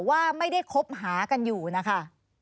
ว่าไม่ได้คบหากันอยู่นะคะ